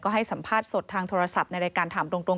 ให้สัมภาษณ์สดทางโทรศัพท์ในรายการถามตรง